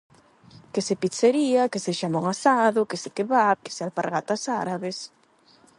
Que se pizzería, que se xamón asado, que se kebab, que se alpargatas árabes...